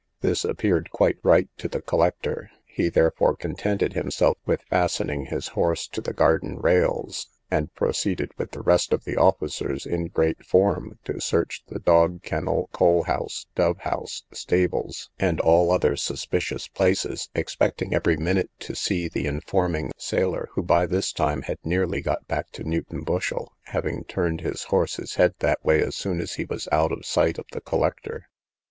This appeared quite right to the collector; he therefore contented himself with fastening his horse to the garden rails, and proceeded with the rest of the officers, in great form, to search the dog kennel, coal house, dove house, stables, and all other suspicious places, expecting every minute to see the informing sailor, who by this time had nearly got back to Newton Bushel, having turned his horse's head that way as soon as he was out of sight of the collector.